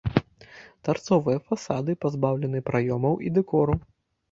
Тарцовыя фасады пазбаўлены праёмаў і дэкору.